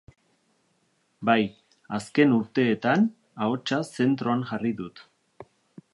Bai, azken urteetan ahotsa zentroan jarri dut.